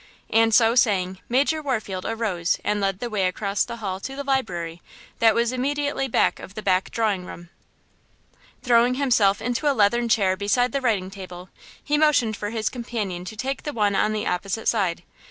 And so saying, Major Warfield arose and led the way across the hall to the library, that was immediately back of the back drawing room. Throwing himself into a leathern chair beside the writing table, he motioned for his companion to take the one on the opposite side.